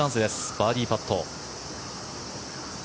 バーディーパット。